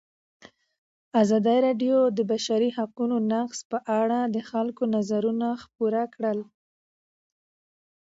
ازادي راډیو د د بشري حقونو نقض په اړه د خلکو نظرونه خپاره کړي.